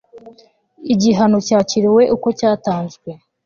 Igihano cyakiriwe uko cyatanzwe